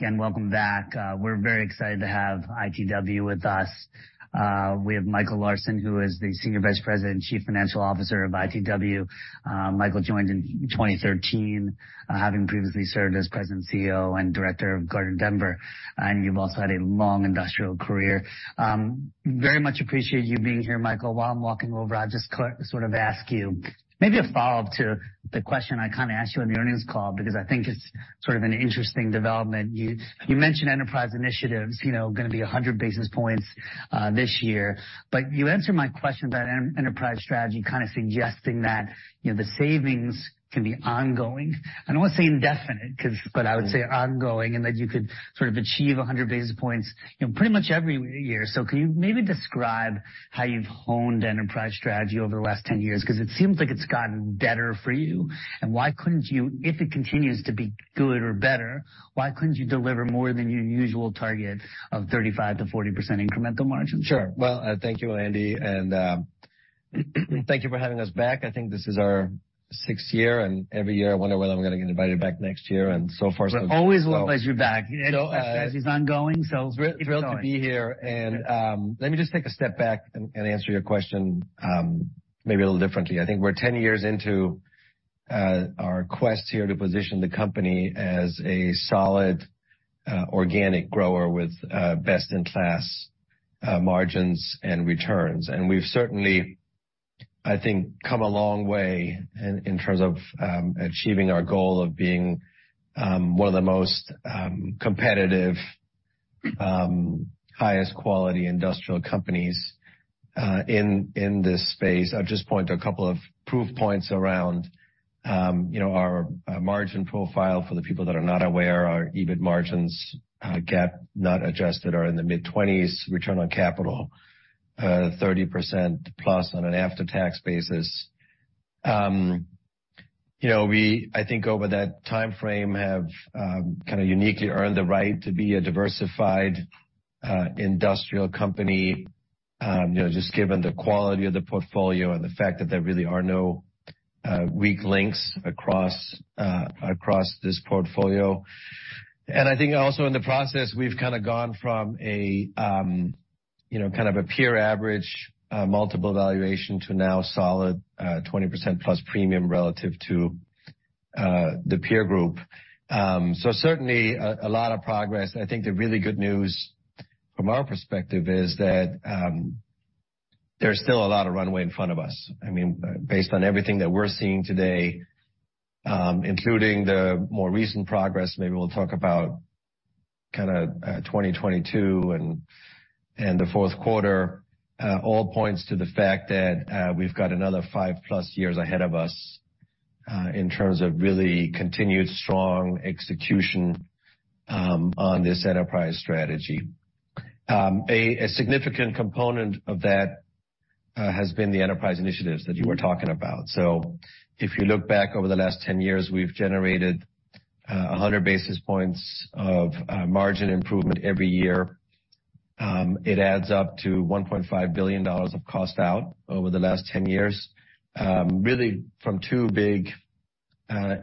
Again, welcome back. We're very excited to have ITW with us. We have Michael Larsen, who is the Senior Vice President and Chief Financial Officer of ITW. Michael joined in 2013, having previously served as President, CEO, and Director of Gardner Denver. You have also had a long industrial career. Very much appreciate you being here, Michael. While I'm walking over, I'll just sort of ask you maybe a follow-up to the question I kind of asked you on the earnings call, because I think it's sort of an interesting development. You mentioned enterprise initiatives, going to be 100 basis points this year. You answered my question about enterprise strategy, kind of suggesting that the savings can be ongoing. I don't want to say indefinite, but I would say ongoing, and that you could sort of achieve 100 basis points pretty much every year. Can you maybe describe how you've honed enterprise strategy over the last 10 years? Because it seems like it's gotten better for you. And why couldn't you, if it continues to be good or better, why couldn't you deliver more than your usual target of 35%-40% Incremental Margins? Sure. Thank you, Andy. Thank you for having us back. I think this is our sixth year. Every year, I wonder whether I'm going to get invited back next year. So far. We always love you back as it's ongoing. Thrilled to be here. Let me just take a step back and answer your question maybe a little differently. I think we're 10 years into our quest here to position the company as a solid, organic grower with best-in-class margins and returns. We've certainly, I think, come a long way in terms of achieving our goal of being one of the most competitive, highest-quality industrial companies in this space. I'll just point to a couple of proof points around our margin profile. For the people that are not aware, our EBIT margins gap not adjusted are in the mid-20s. Return on capital 30% plus on an after-tax basis. I think over that time frame have kind of uniquely earned the right to be a diversified industrial company, just given the quality of the portfolio and the fact that there really are no weak links across this portfolio.I think also in the process, we've kind of gone from kind of a peer average multiple valuation to now solid 20% plus premium relative to the peer group. Certainly a lot of progress. I think the really good news from our perspective is that there's still a lot of runway in front of us. I mean, based on everything that we're seeing today, including the more recent progress, maybe we'll talk about kind of 2022 and the fourth quarter, all points to the fact that we've got another five-plus years ahead of us in terms of really continued strong execution on this enterprise strategy. A significant component of that has been the enterprise initiatives that you were talking about. If you look back over the last 10 years, we've generated 100 basis points of margin improvement every year.It adds up to $1.5 billion of cost out over the last 10 years, really from two big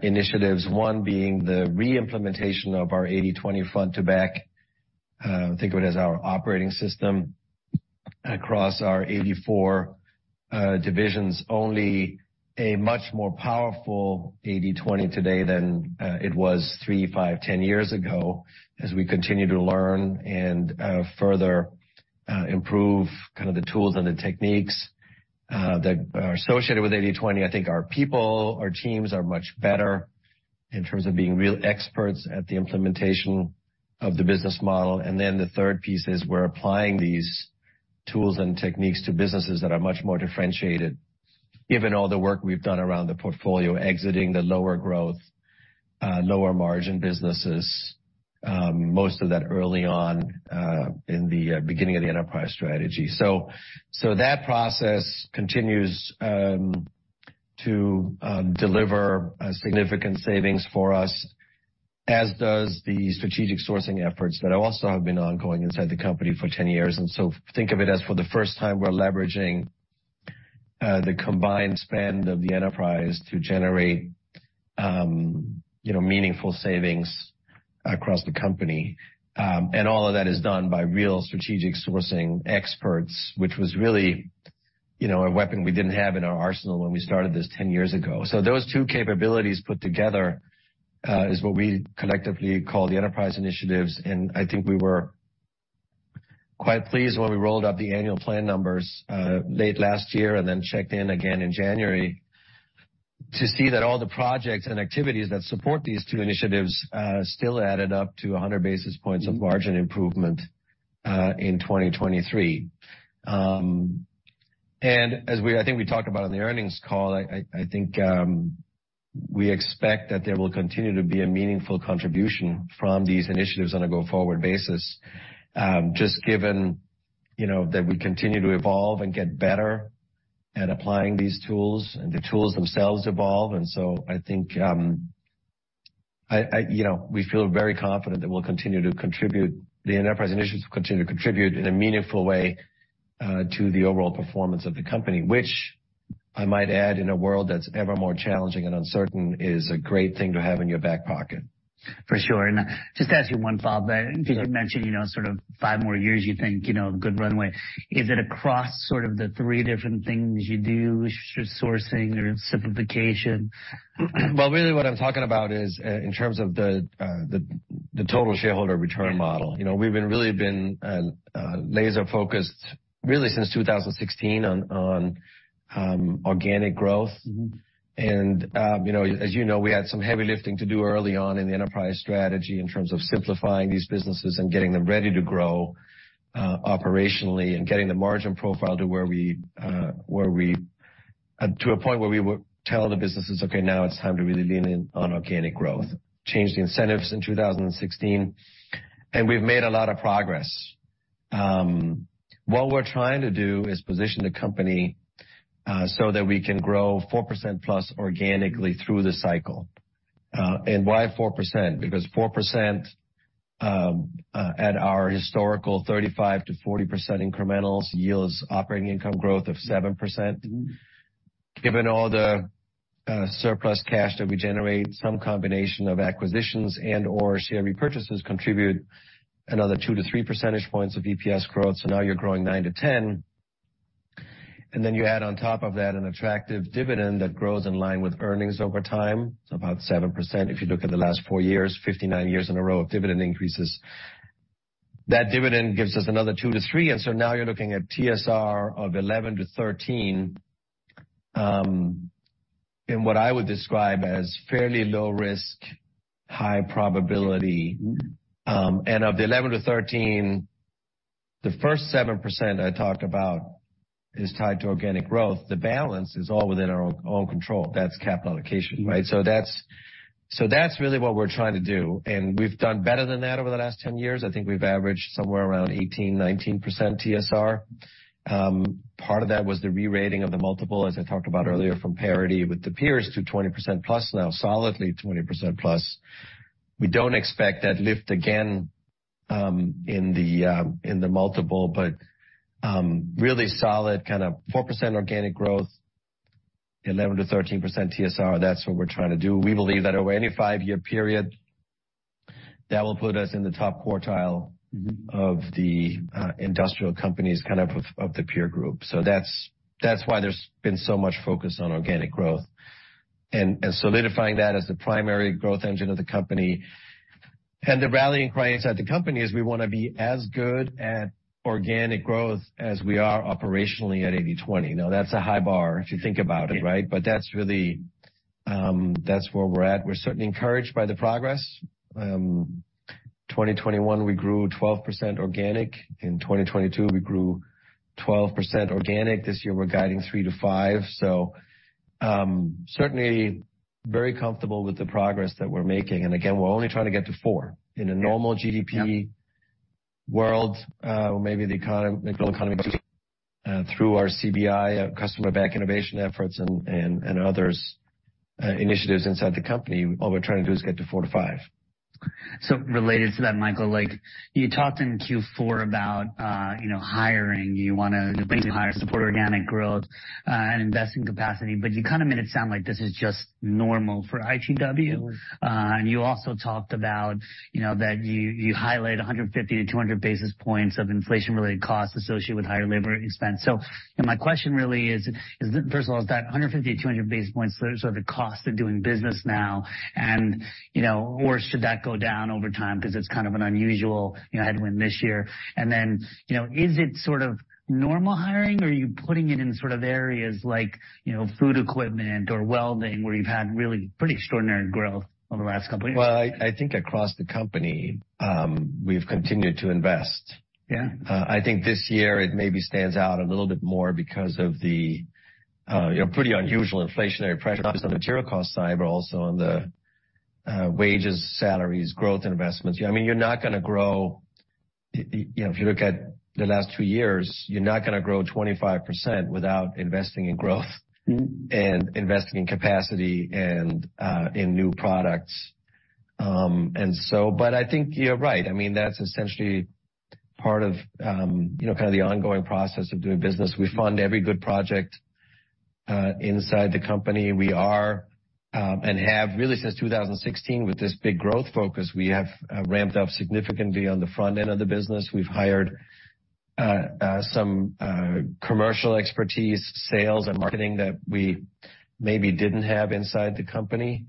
initiatives, one being the reimplementation of our 80/20 front-to-back. I think of it as our operating system across our 84 divisions. Only a much more powerful 80/20 today than it was 3, 5, 10 years ago as we continue to learn and further improve kind of the tools and the techniques that are associated with 80/20. I think our people, our teams are much better in terms of being real experts at the implementation of the business model. The third piece is we're applying these tools and techniques to businesses that are much more differentiated, given all the work we've done around the portfolio, exiting the lower growth, lower margin businesses, most of that early on in the beginning of the enterprise strategy. That process continues to deliver significant savings for us, as does the strategic sourcing efforts that also have been ongoing inside the company for 10 years. Think of it as for the first time we're leveraging the combined spend of the enterprise to generate meaningful savings across the company. All of that is done by real strategic sourcing experts, which was really a weapon we didn't have in our arsenal when we started this 10 years ago. Those two capabilities put together is what we collectively call the enterprise initiatives. I think we were quite pleased when we rolled up the annual plan numbers late last year and then checked in again in January to see that all the projects and activities that support these two initiatives still added up to 100 basis points of margin improvement in 2023.As I think we talked about on the earnings call, I think we expect that there will continue to be a meaningful contribution from these initiatives on a go-forward basis, just given that we continue to evolve and get better at applying these tools, and the tools themselves evolve. I think we feel very confident that we'll continue to contribute. The enterprise initiatives will continue to contribute in a meaningful way to the overall performance of the company, which I might add, in a world that's ever more challenging and uncertain, is a great thing to have in your back pocket. For sure. Just to ask you one follow-up, you mentioned sort of five more years, you think good runway. Is it across sort of the three different things you do, sourcing or simplification? What I'm talking about is in terms of the total shareholder return model. We've really been laser-focused really since 2016 on Organic Growth. As you know, we had some heavy lifting to do early on in the enterprise strategy in terms of simplifying these businesses and getting them ready to grow operationally and getting the margin profile to where we to a point where we would tell the businesses, "Okay, now it's time to really lean in on Organic Growth." Changed the incentives in 2016. We've made a lot of progress. What we're trying to do is position the company so that we can grow 4% plus organically through the cycle. Why 4%? Because 4% at our historical 35%-40% incrementals yields operating income growth of 7%. Given all the surplus cash that we generate, some combination of acquisitions and/or share repurchases contribute another 2-3 percentage points of EPS growth. Now you're growing 9-10. You add on top of that an attractive dividend that grows in line with earnings over time, about 7%. If you look at the last four years, 59 years in a row of dividend increases, that dividend gives us another 2-3 years. Now you're looking at TSR of 11-13 in what I would describe as fairly low risk, high probability. Of the 11-13, the first 7% I talked about is tied to Organic Growth. The balance is all within our own control. That's capital allocation, right? That's really what we're trying to do. We've done better than that over the last 10 years. I think we've averaged somewhere around 18-19% TSR. Part of that was the re-rating of the multiple, as I talked about earlier, from parity with the peers to 20% plus now, solidly 20% plus. We don't expect that lift again in the multiple, but really solid kind of 4% Organic Growth, 11-13% TSR. That's what we're trying to do. We believe that over any five-year period, that will put us in the top quartile of the industrial companies kind of of the peer group. That is why there's been so much focus on Organic Growth and solidifying that as the primary growth engine of the company. The rallying cry inside the company is we want to be as good at Organic Growth as we are operationally at 80/20. Now, that's a high bar if you think about it, right? But that's really that's where we're at. We're certainly encouraged by the progress. 2021, we grew 12% organic. In 2022, we grew 12% organic. This year, we're guiding 3-5%. Certainly very comfortable with the progress that we're making. Again, we're only trying to get to 4% in a normal GDP world, maybe the macroeconomic through our CBI, Customer-backed innovation efforts, and others' initiatives inside the company. All we're trying to do is get to 4-5%. Related to that, Michael, you talked in Q4 about hiring. You want to support Organic Growth and invest in capacity. You kind of made it sound like this is just normal for ITW. You also talked about that you highlight 150-200 basis points of inflation-related costs associated with higher labor expense. My question really is, first of all, is that 150-200 basis points sort of the cost of doing business now? Or should that go down over time because it is kind of an unusual headwind this year? Is it sort of normal hiring? Are you putting it in areas like food Equipment or welding where you have had really pretty extraordinary growth over the last couple of years? I think across the company, we've continued to invest. I think this year it maybe stands out a little bit more because of the pretty unusual inflationary pressure on the material cost side, but also on the wages, salaries, growth investments. I mean, you're not going to grow if you look at the last two years, you're not going to grow 25% without investing in growth and investing in capacity and in new products. I think you're right. I mean, that's essentially part of kind of the ongoing process of doing business. We fund every good project inside the company. We are and have really since 2016 with this big growth focus. We have ramped up significantly on the front end of the business. We've hired some commercial expertise, sales, and marketing that we maybe didn't have inside the company.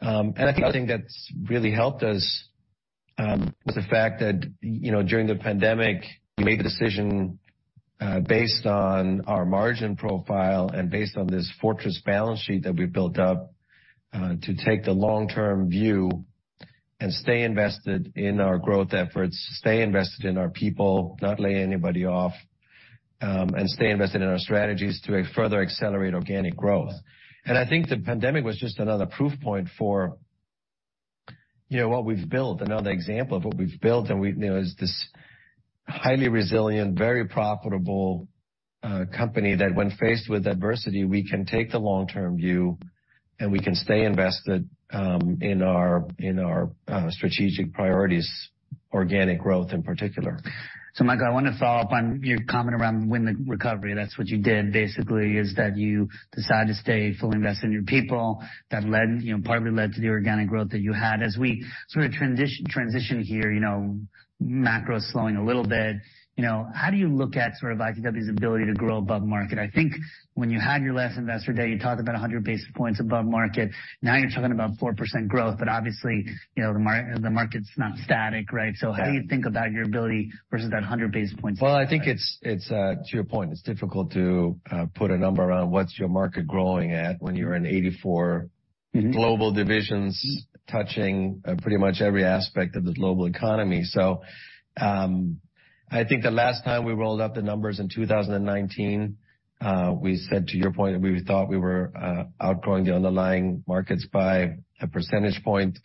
I think that's really helped us with the fact that during the pandemic, we made a decision based on our margin profile and based on this fortress balance sheet that we built up to take the long-term view and stay invested in our growth efforts, stay invested in our people, not lay anybody off, and stay invested in our strategies to further accelerate Organic Growth. I think the pandemic was just another proof point for what we've built, another example of what we've built. It is this highly resilient, very profitable company that when faced with adversity, we can take the long-term view and we can stay invested in our strategic priorities, Organic Growth in particular. Michael, I want to follow up on your comment around win the recovery. That's what you did basically is that you decided to stay fully invested in your people. That partly led to the Organic Growth that you had. As we sort of transition here, macro is slowing a little bit. How do you look at sort of ITW's ability to grow above market? I think when you had your last investor day, you talked about 100 basis points above market. Now you're talking about 4% growth, but obviously the market's not static, right? How do you think about your ability versus that 100 basis points? I think to your point, it's difficult to put a number around what's your market growing at when you're in 84 global divisions touching pretty much every aspect of the global economy. I think the last time we rolled up the numbers in 2019, we said to your point, we thought we were outgrowing the underlying markets by a percentage point.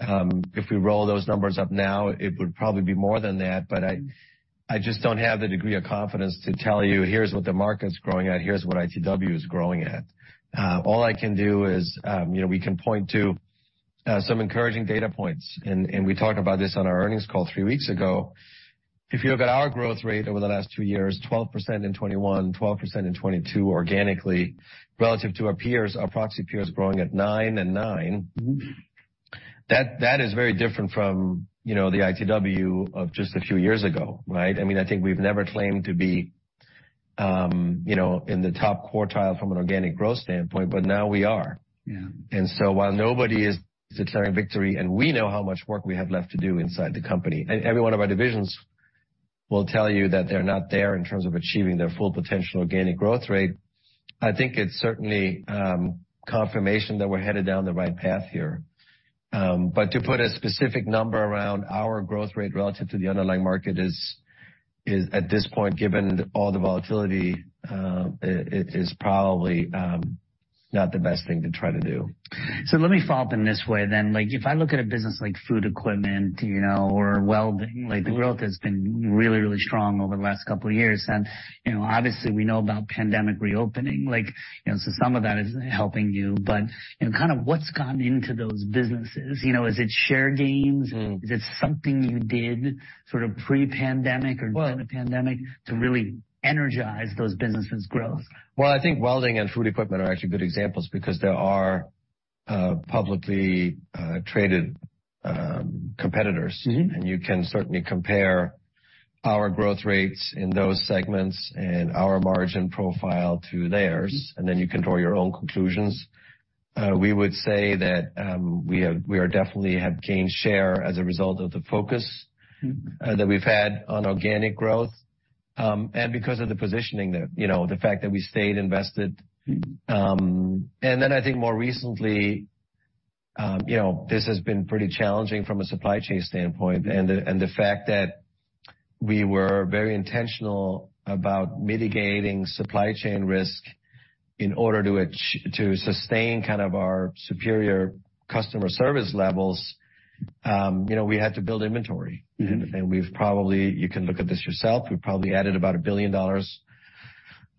If we roll those numbers up now, it would probably be more than that. I just don't have the degree of confidence to tell you, "Here's what the market's growing at. Here's what ITW is growing at." All I can do is we can point to some encouraging data points. We talked about this on our earnings call three weeks ago. If you look at our growth rate over the last two years, 12% in 2021, 12% in 2022 organically relative to our peers, our proxy peers growing at 9 and 9, that is very different from the ITW of just a few years ago, right? I mean, I think we've never claimed to be in the top quartile from an Organic Growth standpoint, but now we are. While nobody is declaring victory and we know how much work we have left to do inside the company, and every one of our divisions will tell you that they're not there in terms of achieving their full potential Organic Growth rate, I think it's certainly confirmation that we're headed down the right path here. To put a specific number around our growth rate relative to the underlying market is at this point, given all the volatility, probably not the best thing to try to do. Let me follow up in this way then. If I look at a business like Food Equipment or Welding, the growth has been really, really strong over the last couple of years. Obviously, we know about pandemic reopening. Some of that is helping you. Kind of what's gone into those businesses? Is it share gains? Is it something you did sort of pre-pandemic or during the pandemic to really energize those businesses' growth? I think Welding and Food Equipment are actually good examples because there are publicly traded competitors. You can certainly compare our growth rates in those segments and our margin profile to theirs. You can draw your own conclusions. We would say that we definitely have gained share as a result of the focus that we've had on Organic Growth and because of the positioning, the fact that we stayed invested. I think more recently, this has been pretty challenging from a supply chain standpoint. The fact that we were very intentional about mitigating supply chain risk in order to sustain kind of our superior customer service levels, we had to build inventory. We have probably—you can look at this yourself—we have probably added about $1 billion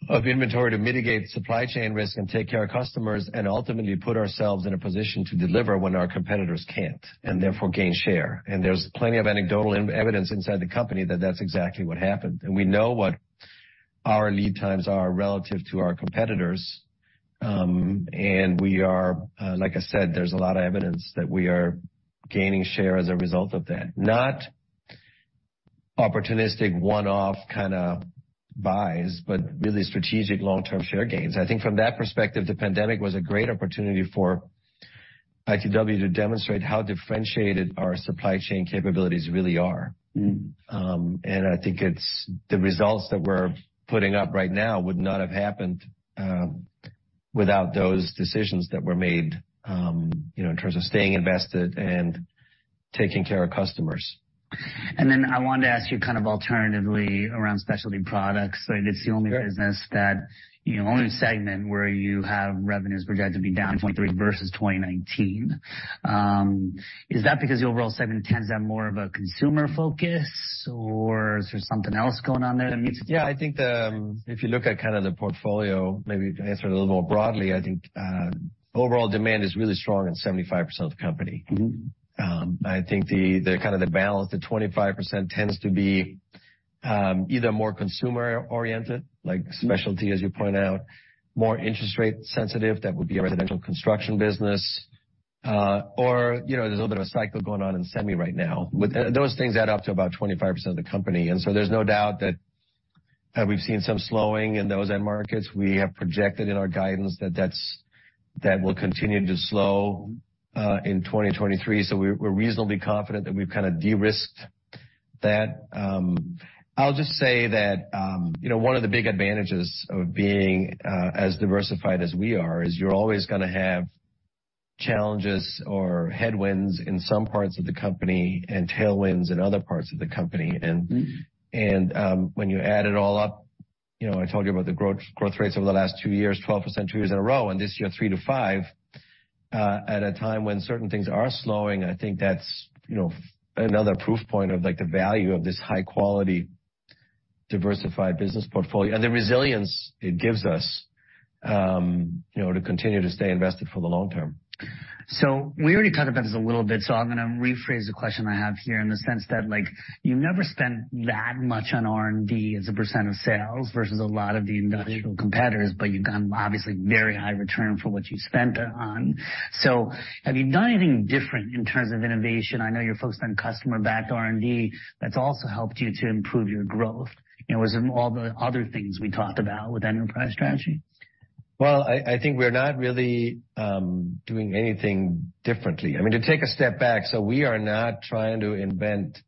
of inventory to mitigate supply chain risk and take care of customers and ultimately put ourselves in a position to deliver when our competitors cannot and therefore gain share. There is plenty of anecdotal evidence inside the company that that is exactly what happened. We know what our lead times are relative to our competitors. There is, like I said, a lot of evidence that we are gaining share as a result of that. Not opportunistic one-off kind of buys, but really strategic long-term share gains. I think from that perspective, the pandemic was a great opportunity for ITW to demonstrate how differentiated our supply chain capabilities really are. I think it's the results that we're putting up right now would not have happened without those decisions that were made in terms of staying invested and taking care of customers. I wanted to ask you kind of alternatively around specialty products. It is the only business, the only segment where you have revenues projected to be down 2023 versus 2019. Is that because the overall segment tends to have more of a consumer focus, or is there something else going on there that meets? Yeah, I think if you look at kind of the portfolio, maybe to answer a little more broadly, I think overall demand is really strong in 75% of the company. I think kind of the balance, the 25% tends to be either more consumer-oriented, like specialty, as you point out, more interest rate sensitive. That would be a residential construction business. There is a little bit of a cycle going on in semi right now. Those things add up to about 25% of the company. There is no doubt that we've seen some slowing in those end markets. We have projected in our guidance that that will continue to slow in 2023. We are reasonably confident that we've kind of de-risked that. I'll just say that one of the big advantages of being as diversified as we are is you're always going to have challenges or headwinds in some parts of the company and tailwinds in other parts of the company. When you add it all up, I told you about the growth rates over the last two years, 12% two years in a row, and this year 3-5% at a time when certain things are slowing. I think that's another proof point of the value of this high-quality diversified business portfolio and the resilience it gives us to continue to stay invested for the long term. We already talked about this a little bit. I'm going to rephrase the question I have here in the sense that you never spent that much on R&D as a percent of sales versus a lot of the industrial competitors, but you've gotten obviously very high return for what you spent on. Have you done anything different in terms of innovation? I know you're focused on customer-backed R&D that's also helped you to improve your growth. Was it all the other things we talked about with enterprise strategy? I think we're not really doing anything differently. I mean, to take a step back, we are not trying to invent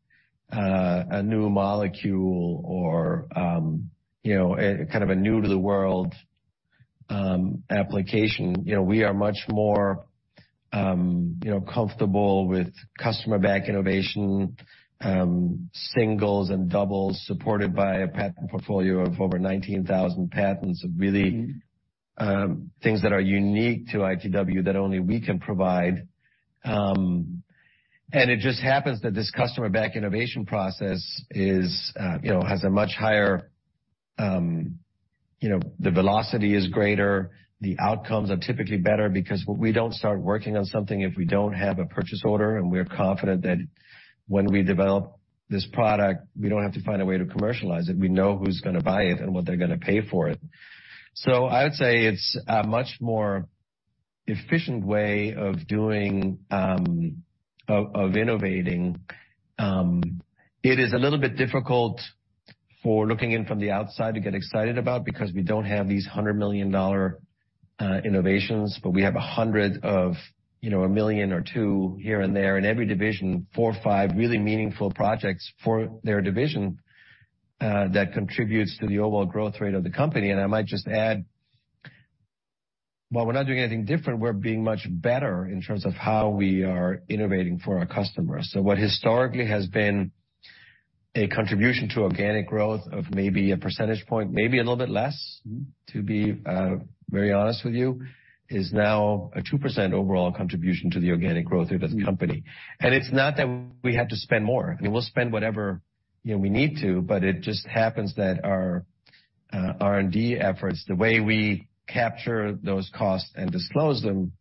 a new molecule or kind of a new-to-the-world application. We are much more comfortable with customer-backed innovation, singles and doubles supported by a patent portfolio of over 19,000 patents, really things that are unique to ITW that only we can provide. It just happens that this customer-backed innovation process has a much higher—the velocity is greater. The outcomes are typically better because we don't start working on something if we don't have a purchase order. We're confident that when we develop this product, we don't have to find a way to commercialize it. We know who's going to buy it and what they're going to pay for it. I would say it's a much more efficient way of innovating. It is a little bit difficult for looking in from the outside to get excited about because we don't have these $100 million innovations, but we have a hundred of a million or two here and there in every division, four or five really meaningful projects for their division that contributes to the overall growth rate of the company. I might just add, while we're not doing anything different, we're being much better in terms of how we are innovating for our customers. What historically has been a contribution to Organic Growth of maybe a percentage point, maybe a little bit less, To be very honest with you, is now a 2% overall contribution to the Organic Growth of the company. It's not that we have to spend more. I mean, we'll spend whatever we need to, but it just happens that our R&D efforts, the way we capture those costs and disclose them,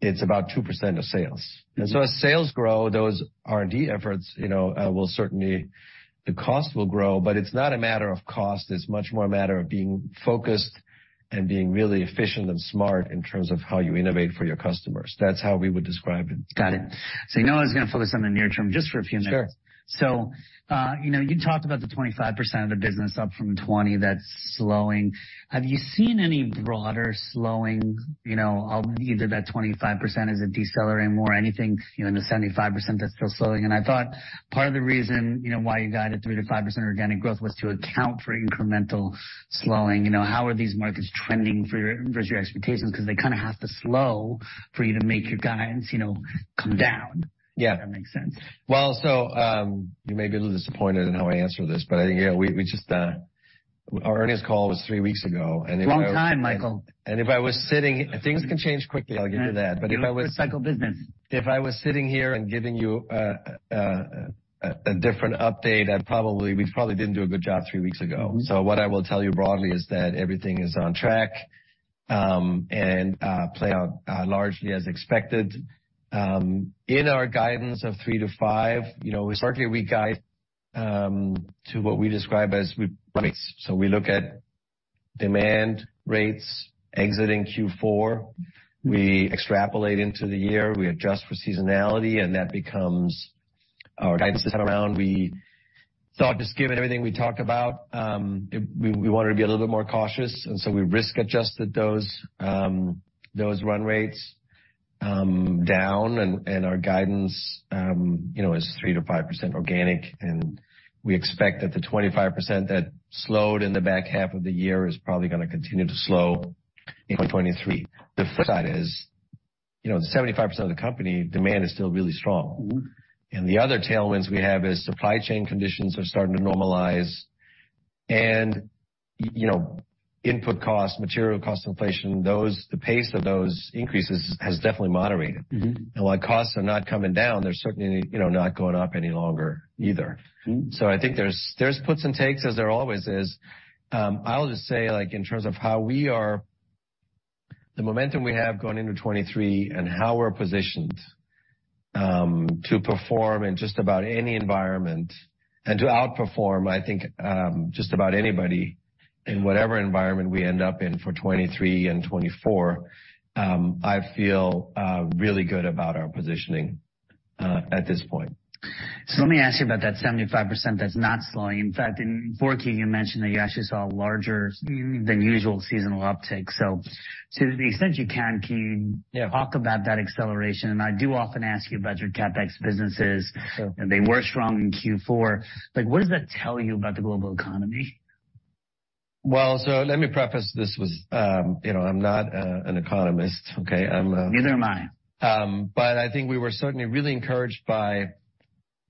it's about 2% of sales. As sales grow, those R&D efforts will certainly—the cost will grow, but it's not a matter of cost. It's much more a matter of being focused and being really efficient and smart in terms of how you innovate for your customers. That's how we would describe it. Got it. I know I was going to focus on the near term just for a few minutes. You talked about the 25% of the business, up from 20%, that's slowing. Have you seen any broader slowing? Either that 25% is not decelerating more or anything in the 75% that's still slowing. I thought part of the reason why you guided 3%-5% Organic Growth was to account for incremental slowing. How are these markets trending versus your expectations? They kind of have to slow for you to make your guidance come down, if that makes sense. Yeah. You may be a little disappointed in how I answer this, but I think we just—our earnings call was three weeks ago, and if I was. Long time, Michael. If I was sitting—things can change quickly. I'll get to that. If I was. It's a cycle of business. If I was sitting here and giving you a different update, we probably did not do a good job three weeks ago. What I will tell you broadly is that everything is on track and playing out largely as expected. In our guidance of 3-5%, historically, we guide to what we describe as rates. We look at demand rates, exiting Q4. We extrapolate into the year. We adjust for seasonality, and that becomes our guidance. Around, we thought just given everything we talked about, we wanted to be a little bit more cautious. We risk-adjusted those run rates down. Our guidance is 3-5% organic. We expect that the 25% that slowed in the back half of the year is probably going to continue to slow in 2023. The flip side is 75% of the company demand is still really strong. The other tailwinds we have is supply chain conditions are starting to normalize. Input costs, material cost inflation, the pace of those increases has definitely moderated. While costs are not coming down, they are certainly not going up any longer either. I think there are puts and takes, as there always is. I will just say in terms of how we are—the momentum we have going into 2023 and how we are positioned to perform in just about any environment and to outperform, I think, just about anybody in whatever environment we end up in for 2023 and 2024, I feel really good about our positioning at this point. Let me ask you about that 75% that's not slowing. In fact, in Q4, you mentioned that you actually saw a larger than usual seasonal uptake. To the extent you can, can you talk about that acceleration? I do often ask you about your CapEx businesses. They were strong in Q4. What does that tell you about the global economy? Let me preface this with I'm not an economist, okay? Neither am I. I think we were certainly really encouraged by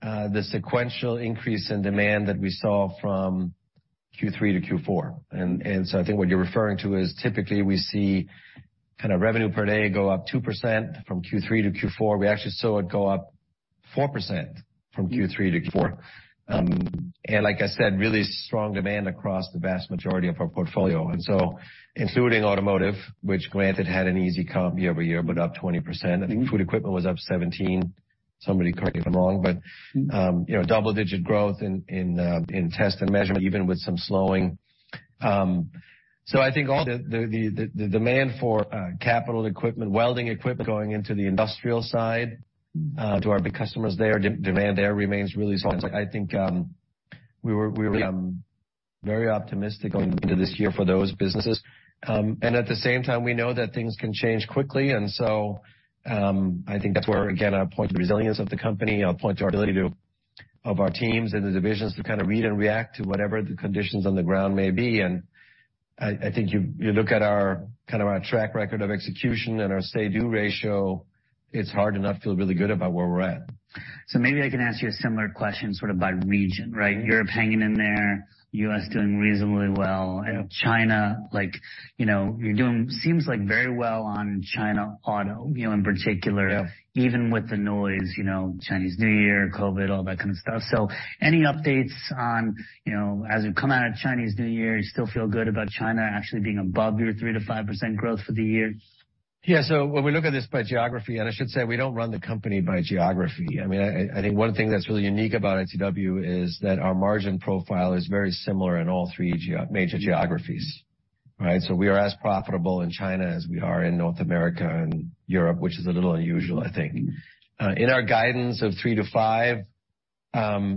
the sequential increase in demand that we saw from Q3 to Q4. I think what you're referring to is typically we see kind of revenue per day go up 2% from Q3 to Q4. We actually saw it go up 4% from Q3 to Q4. Like I said, really strong demand across the vast majority of our portfolio, including automotive, which granted had an easy comp year over year, but up 20%. I think Food Equipment was up 17%. Somebody correct me if I'm wrong. Double-digit growth in Test and measurement, even with some slowing. I think all the demand for capital Equipment, Welding Equipment going into the industrial side to our customers there, demand there remains really strong. I think we were very optimistic going into this year for those businesses. At the same time, we know that things can change quickly. I think that's where, again, I'll point to resilience of the company. I'll point to our ability—of our teams and the divisions to kind of read and react to whatever the conditions on the ground may be. I think you look at kind of our track record of execution and our say-do ratio, it's hard enough. to feel really good about where we're at. Maybe I can ask you a similar question sort of by region, right? Europe hanging in there, U.S. doing reasonably well, and China, you're doing seems like very well on China auto in particular, even with the noise, Chinese New Year, COVID, all that kind of stuff. Any updates on as we come out of Chinese New Year, you still feel good about China actually being above your 3-5% growth for the year? Yeah. When we look at this by geography, and I should say we do not run the company by geography. I mean, I think one thing that is really unique about ITW is that our margin profile is very similar in all three major geographies, right? We are as profitable in China as we are in North America and Europe, which is a little unusual, I think. In our guidance of 3-5%,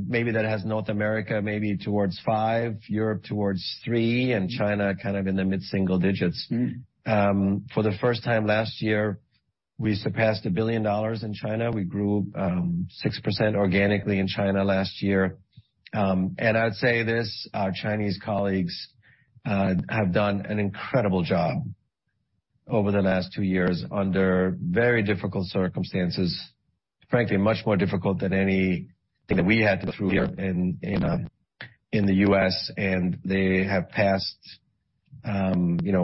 maybe that has North America maybe towards 5%, Europe towards 3%, and China kind of in the mid-single digits. For the first time last year, we surpassed $1 billion in China. We grew 6% organically in China last year. I would say this, our Chinese colleagues have done an incredible job over the last two years under very difficult circumstances, frankly, much more difficult than anything that we had to go through here in the U.S. They have passed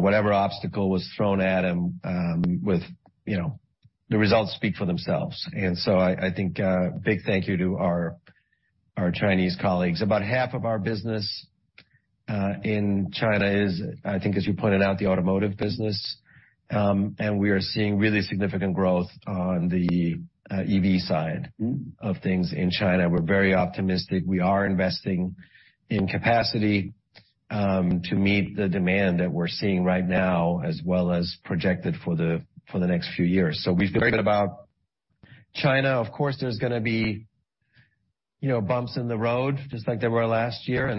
whatever obstacle was thrown at them, and the results speak for themselves. I think a big thank you to our Chinese colleagues. About half of our business in China is, I think, as you pointed out, the automotive business. We are seeing really significant growth on the EV side of things in China. We are very optimistic. We are investing in capacity to meet the demand that we are seeing right now, as well as projected for the next few years. We feel good about China. Of course, there are going to be bumps in the road, just like there were last year.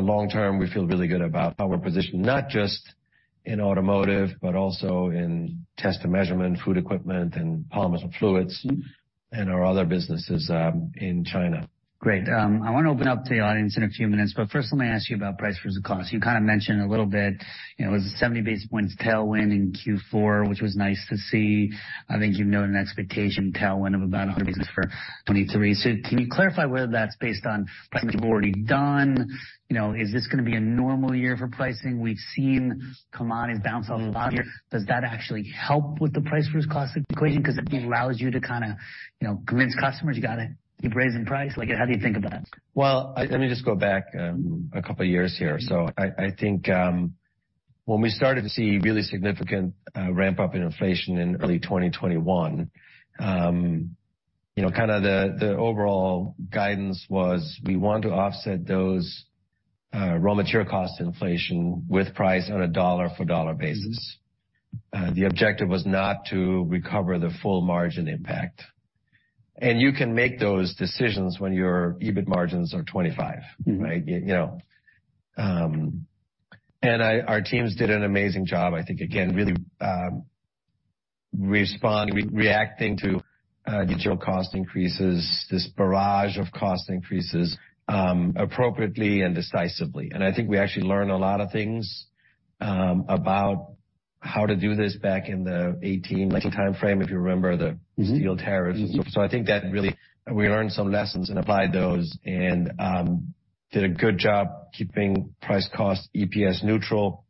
Long term, we feel really good about how we're positioned, not just in automotive, but also in Test and measurement, Food Equipment, and Polymers and Fluids, and our other businesses in China. Great. I want to open up to the audience in a few minutes. First, let me ask you about price versus cost. You kind of mentioned a little bit it was a 70 basis points tailwind in Q4, which was nice to see. I think you have noted an expectation tailwind of about 100 basis points for 2023. Can you clarify whether that is based on pricing you have already done? Is this going to be a normal year for pricing? We have seen commodities bounce a lot of years. Does that actually help with the price versus cost equation? Because it allows you to kind of convince customers you have to keep raising price. How do you think about it? Let me just go back a couple of years here. I think when we started to see really significant ramp-up in inflation in early 2021, kind of the overall guidance was we want to offset those raw material cost inflation with price on a dollar-for-dollar basis. The objective was not to recover the full margin impact. You can make those decisions when your EBIT margins are 25%, right? Our teams did an amazing job, I think, again, really responding, reacting to digital cost increases, this barrage of cost increases appropriately and decisively. I think we actually learned a lot of things about how to do this back in the 2018-2019 timeframe, if you remember the steel tariffs. I think that really we learned some lessons and applied those and did a good job keeping price-cost EPS neutral.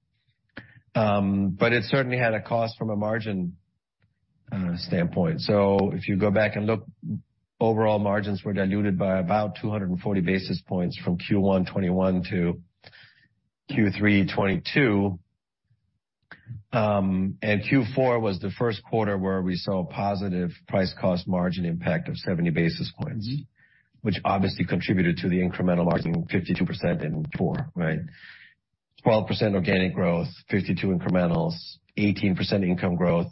It certainly had a cost from a margin standpoint. If you go back and look, overall margins were diluted by about 240 basis points from Q1 2021 to Q3 2022. Q4 was the first quarter where we saw a positive price-cost margin impact of 70 basis points, which obviously contributed to the Incremental Margin of 52% in Q4, right? 12% Organic Growth, 52% incrementals, 18% income growth.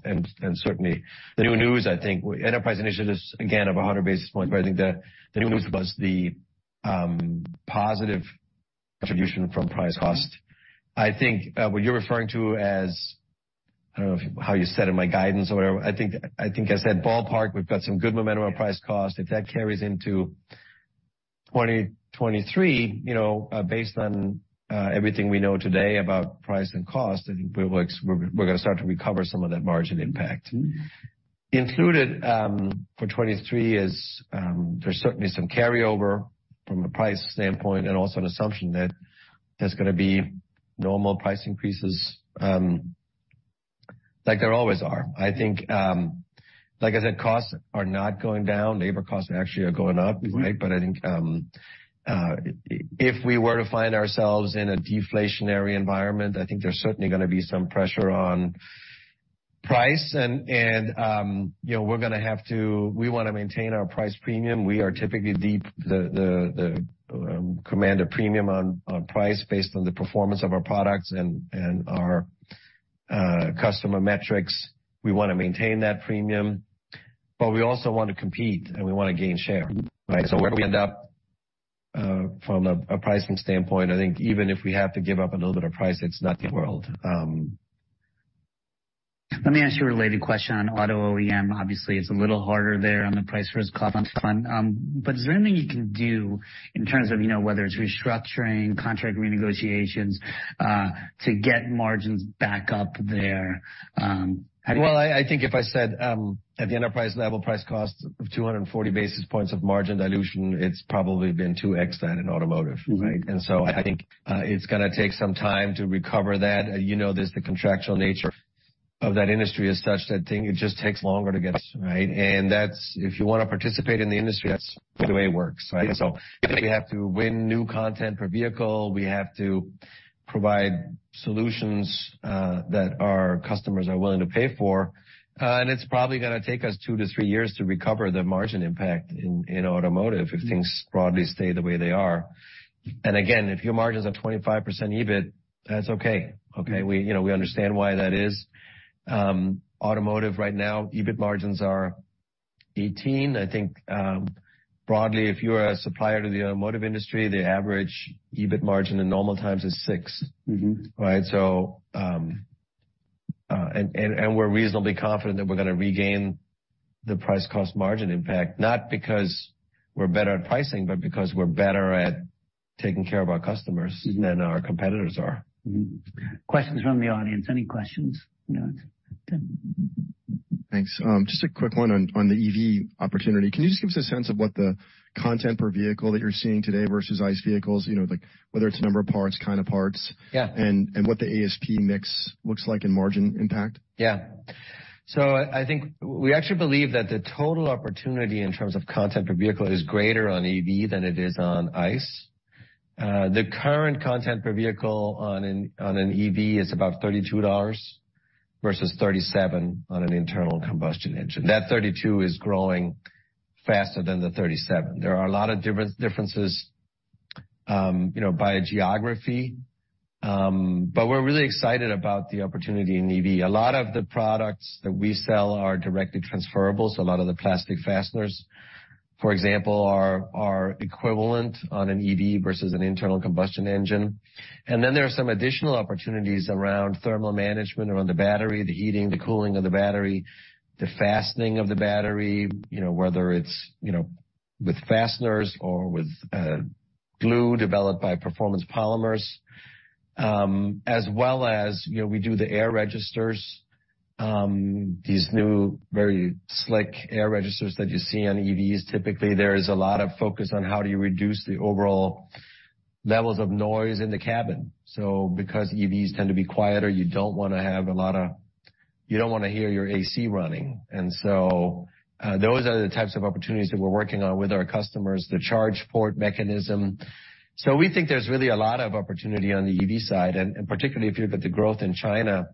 Certainly, the new news, I think, enterprise initiatives, again, of 100 basis points, but I think the new news was the positive contribution from price-cost. I think what you're referring to as, I don't know how you said in my guidance or whatever, I think I said ballpark, we've got some good momentum on price-cost. If that carries into 2023, based on everything we know today about price and cost, I think we're going to start to recover some of that margin impact. Included for 2023 is there's certainly some carryover from a price standpoint and also an assumption that there's going to be normal price increases like there always are. I think, like I said, costs are not going down. Labor costs actually are going up, right? I think if we were to find ourselves in a deflationary environment, I think there's certainly going to be some pressure on price. We are going to have to, we want to maintain our price premium. We are typically the command of premium on price based on the performance of our products and our customer metrics. We want to maintain that premium. We also want to compete, and we want to gain share, right? Where do we end up from a pricing standpoint? I think even if we have to give up a little bit of price, it's not the world. Let me ask you a related question on auto OEM. Obviously, it's a little harder there on the price versus cost. Is there anything you can do in terms of whether it's restructuring, contract renegotiations to get margins back up there? I think if I said at the enterprise level, price-cost of 240 basis points of margin dilution, it's probably been 2x that in automotive, right? I think it's going to take some time to recover that. You know this, the contractual nature of that industry is such that it just takes longer to get, right? If you want to participate in the industry, that's the way it works, right? We have to win new content per vehicle. We have to provide solutions that our customers are willing to pay for. It's probably going to take us two to three years to recover the margin impact in automotive if things broadly stay the way they are. Again, if your margins are 25% EBIT, that's okay. Okay? We understand why that is. Automotive right now, EBIT margins are 18%. I think broadly, if you're a supplier to the automotive industry, the average EBIT margin in normal times is 6%, right? We're reasonably confident that we're going to regain the price-cost margin impact, not because we're better at pricing, but because we're better at taking care of our customers than our competitors are. Questions from the audience? Any questions? Thanks. Just a quick one on the EV opportunity. Can you just give us a sense of what the content per vehicle that you're seeing today versus ICE vehicles, whether it's number of parts, kind of parts, and what the ASP mix looks like in margin impact? Yeah. I think we actually believe that the total opportunity in terms of content per vehicle is greater on EV than it is on ICE. The current content per vehicle on an EV is about $32 vs $37 on an internal combustion engine. That $32 is growing faster than the $37. There are a lot of differences by geography. We are really excited about the opportunity in EV. A lot of the products that we sell are directly transferable. A lot of the plastic fasteners, for example, are equivalent on an EV versus an internal combustion engine. There are some additional opportunities around thermal management around the battery, the heating, the cooling of the battery, the fastening of the battery, whether it's with fasteners or with glue developed by Performance polymers, as well as we do the Air registers, these new very slick Air registers that you see on EVs. Typically, there is a lot of focus on how do you reduce the overall levels of noise in the cabin. Because EVs tend to be quieter, you don't want to have a lot of, you don't want to hear your AC running. Those are the types of opportunities that we're working on with our customers, the charge port mechanism. We think there's really a lot of opportunity on the EV side. Particularly if you look at the growth in China,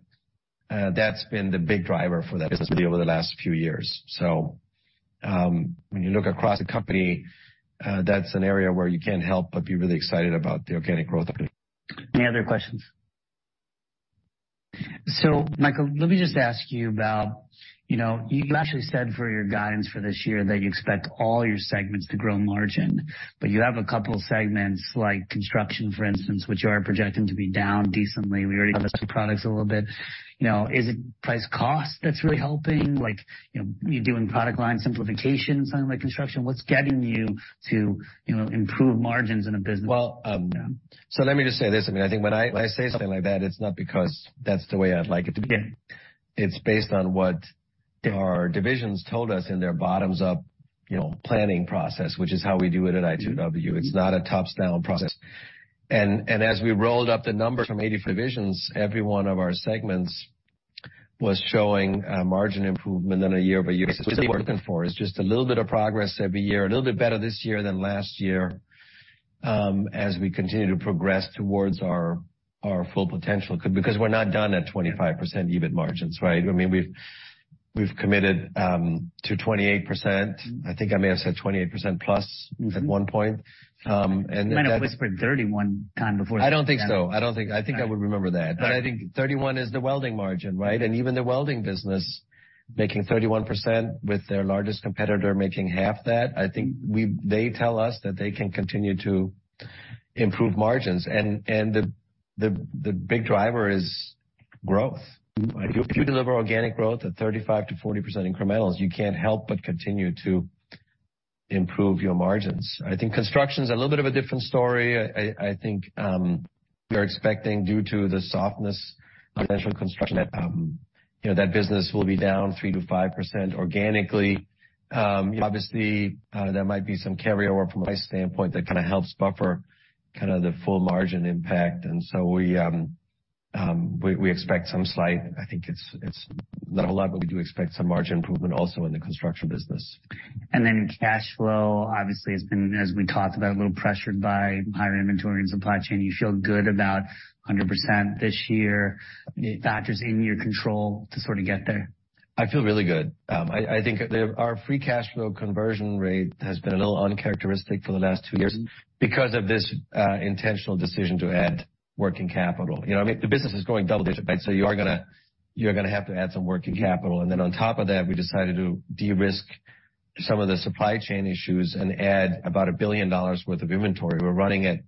that's been the big driver for that business over the last few years. When you look across the company, that's an area where you can't help but be really excited about the Organic Growth. Any other questions? Michael, let me just ask you about, you actually said for your guidance for this year that you expect all your segments to grow margin. You have a couple of segments like construction, for instance, which you are projecting to be down decently. We already discussed products a little bit. Is it price-cost that's really helping? Are you doing product line simplification, something like construction? What's getting you to improve margins in a business? Let me just say this. I mean, I think when I say something like that, it's not because that's the way I'd like it to be. It's based on what our divisions told us in their bottoms-up planning process, which is how we do it at ITW. It's not a top-down process. As we rolled up the numbers from 84 divisions, every one of our segments was showing margin improvement in a year-over-year. What we're looking for is just a little bit of progress every year, a little bit better this year than last year as we continue to progress towards our full potential because we're not done at 25% EBIT margins, right? I mean, we've committed to 28%. I think I may have said 28% plus at one point. You might have whispered 31 times before. I don't think so. I don't think I would remember that. I think 31% is the Welding margin, right? Even the Welding business making 31% with their largest competitor making half that, I think they tell us that they can continue to improve margins. The big driver is growth. If you deliver Organic Growth at 35-40% incrementals, you can't help but continue to improve your margins. I think construction is a little bit of a different story. I think we're expecting due to the softness of potential construction that that business will be down 3-5% organically. Obviously, there might be some carryover from an ICE standpoint that kind of helps buffer the full margin impact. We expect some slight, I think it's not a lot, but we do expect some margin improvement also in the construction business. Cash flow, obviously, has been, as we talked about, a little pressured by higher inventory and supply chain. You feel good about 100% this year. Factors in your control to sort of get there? I feel really good. I think our free cash flow conversion rate has been a little uncharacteristic for the last two years because of this intentional decision to add working capital. I mean, the business is growing double digit, right? You are going to have to add some working capital. On top of that, we decided to de-risk some of the supply chain issues and add about $1 billion worth of inventory. We are running at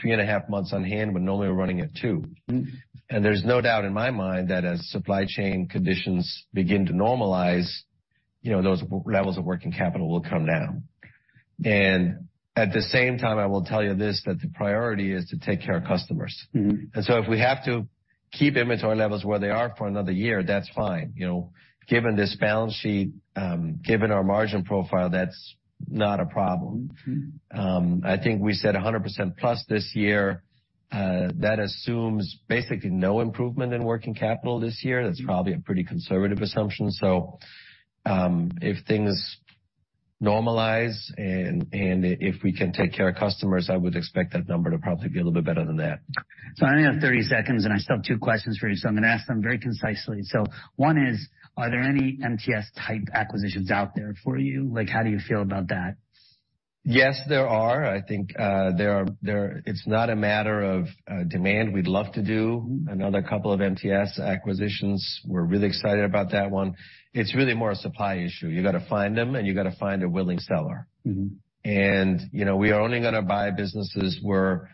three and a half months on hand when normally we are running at two. There is no doubt in my mind that as supply chain conditions begin to normalize, those levels of working capital will come down. At the same time, I will tell you this, the priority is to take care of customers. If we have to keep inventory levels where they are for another year, that's fine. Given this balance sheet, given our margin profile, that's not a problem. I think we said 100% plus this year. That assumes basically no improvement in working capital this year. That's probably a pretty conservative assumption. If things normalize and if we can take care of customers, I would expect that number to probably be a little bit better than that. I only have 30 seconds, and I still have two questions for you. I'm going to ask them very concisely. One is, are there any MTS-type acquisitions out there for you? How do you feel about that? Yes, there are. I think it's not a matter of demand. We'd love to do another couple of MTS acquisitions. We're really excited about that one. It's really more a supply issue. You got to find them, and you got to find a willing seller. We are only going to buy businesses that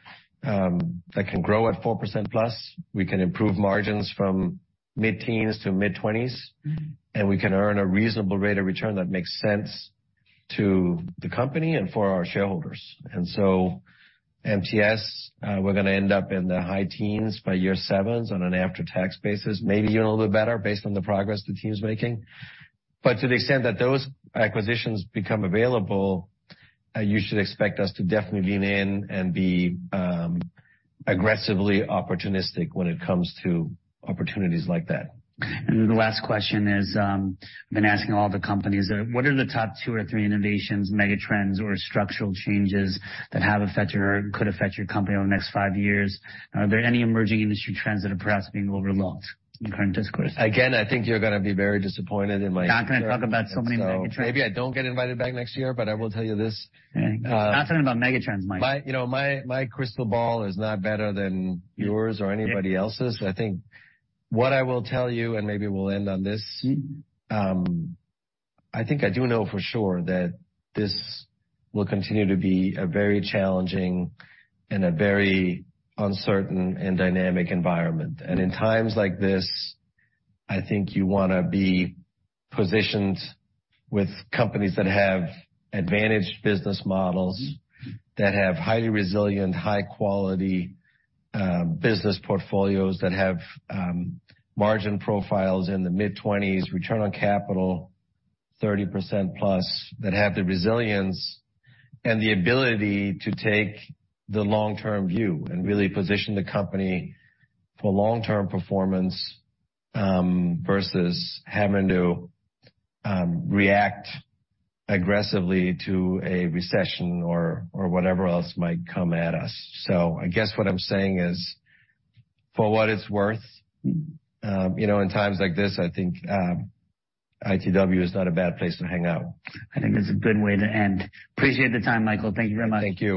can grow at 4% plus. We can improve margins from mid-teens to mid-20s, and we can earn a reasonable rate of return that makes sense to the company and for our shareholders. MTS, we're going to end up in the high teens by year seven on an after-tax basis, maybe even a little bit better based on the progress the team's making. To the extent that those acquisitions become available, you should expect us to definitely lean in and be aggressively opportunistic when it comes to opportunities like that. The last question is, I've been asking all the companies, what are the top two or three innovations, mega trends, or structural changes that have affected or could affect your company over the next five years? Are there any emerging industry trends that are perhaps being overlooked in current discourse? Again, I think you're going to be very disappointed in my. Not going to talk about so many mega trends. Maybe I don't get invited back next year, but I will tell you this. Not talking about mega trends, Michael. My crystal ball is not better than yours or anybody else's. I think what I will tell you, and maybe we'll end on this, I think I do know for sure that this will continue to be a very challenging and a very uncertain and dynamic environment. In times like this, I think you want to be positioned with companies that have advantaged business models, that have highly resilient, high-quality business portfolios, that have margin profiles in the mid-20s, return on capital 30% plus, that have the resilience and the ability to take the long-term view and really position the company for long-term performance versus having to react aggressively to a recession or whatever else might come at us. I guess what I'm saying is, for what it's worth, in times like this, I think ITW is not a bad place to hang out. I think it's a good way to end. Appreciate the time, Michael. Thank you very much. Thank you.